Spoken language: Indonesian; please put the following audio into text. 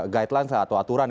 guidelines atau aturan